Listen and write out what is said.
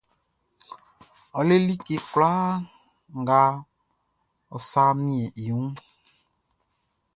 Ɔ le like kwlaa nga ɔ sa miɛn i wunʼn.